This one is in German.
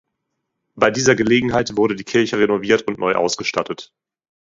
Bei dieser Gelegenheit wurde die Kirche renoviert und neu ausgestattet.